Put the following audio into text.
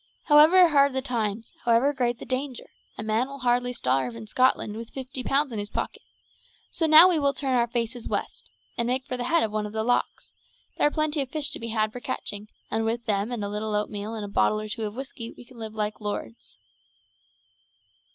However hard the times, however great the danger, a man will hardly starve in Scotland with fifty pounds in his pocket; so now we will turn our faces west, and make for the head of one of the lochs; there are plenty of fish to be had for catching, and with them and a little oatmeal and a bottle or two of whiskey we can live like lords."